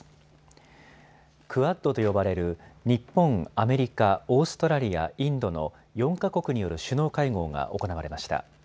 クアッドと呼ばれる日本、アメリカ、オーストラリア、インドの４か国による首脳会合が行われました。